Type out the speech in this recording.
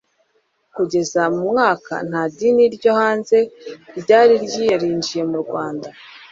kugeza mu mwaka nta dini ryo hanze ryari ryarinjiye mu rwanda